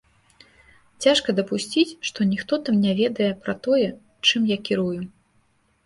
Цяжка дапусціць, што ніхто там не ведае пра тое, чым я кірую.